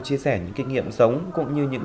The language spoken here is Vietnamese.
chia sẻ những kinh nghiệm sống cũng như những